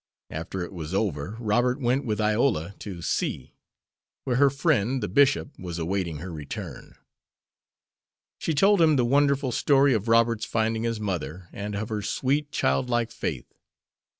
After it was over Robert went with Iola to C , where her friend, the bishop, was awaiting her return. She told him the wonderful story of Robert's finding his mother, and of her sweet, childlike faith.